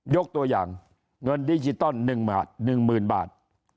ยกตัวอย่างเงินดิจิตอล๑มาตร๑หมื่นบาท